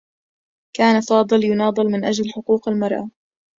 كان فاضل يناضل من أجل حقوق المرأة.